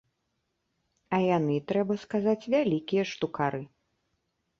А яны, трэба сказаць, вялікія штукары.